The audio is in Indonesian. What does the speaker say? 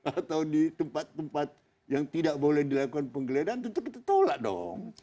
atau di tempat tempat yang tidak boleh dilakukan penggeledahan tentu kita tolak dong